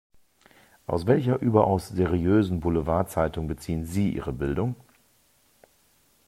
Aus welcher überaus seriösen Boulevardzeitung beziehen Sie Ihre Bildung?